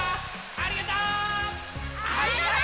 ありがとう！